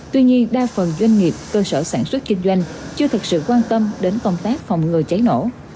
tuy nhiên đa phần doanh nghiệp cơ sở sản xuất kinh doanh chưa thực sự quan tâm đến công tác phòng ngừa cháy nổ